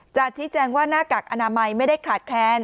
ชี้แจงว่าหน้ากากอนามัยไม่ได้ขาดแค้น